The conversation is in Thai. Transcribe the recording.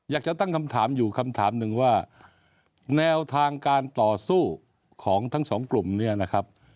อยากจะตั้งคำถามอยู่คำถามหนึ่งว่าแนวทางการต่อสู้ของทั้งสองกลุ่มเนี่ยนะครับ